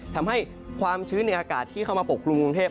ทำให้ความชื้นในอากาศที่เข้ามาปกครุมกรุงเทพ